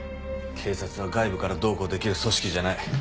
警察は外部からどうこうできる組織じゃない。